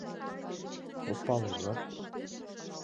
— От пале, ужат?